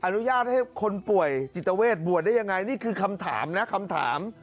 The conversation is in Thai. อนุญาตให้คนป่วยจิตเวทบวชได้ยังไงนี่คือคำถามนะคำถาม